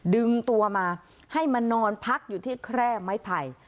ดึงตัวมาให้มานอนพักอยู่ที่แคร่ไม้ไผ่